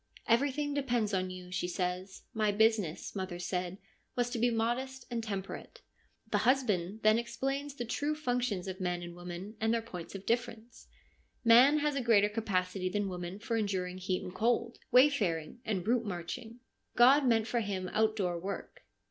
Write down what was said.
' Everything depends on you,' she says ;' my business, mother said, was to be modest and temperate/ The husband then ex plains the true functions of man and woman and their points of difference. Man has a greater capacity than woman for enduring heat and cold, wayfaring and route marching. God meant for him outdoor work.